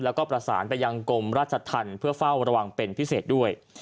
แล้วก็ประสานไปยังกรมราชธรรมเพื่อเฝ้าระวังเป็นพิเศษด้วย